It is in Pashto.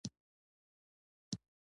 ماريا وويل زه ستړې يم.